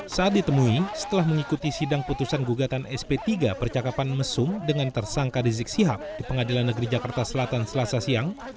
saat ditemui setelah mengikuti sidang putusan gugatan sp tiga percakapan mesum dengan tersangka rizik sihab di pengadilan negeri jakarta selatan selasa siang